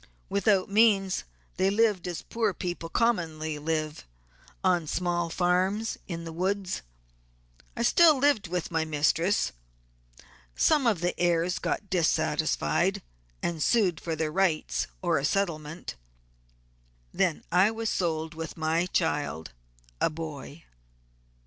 Without means they lived as poor people commonly live, on small farms in the woods. I still lived with my mistress. Some of the heirs got dissatisfied, and sued for their rights or a settlement; then I was sold with my child, a boy."